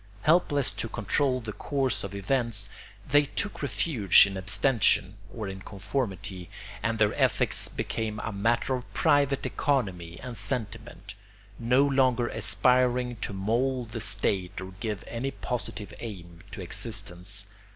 Helpless to control the course of events, they took refuge in abstention or in conformity, and their ethics became a matter of private economy and sentiment, no longer aspiring to mould the state or give any positive aim to existence.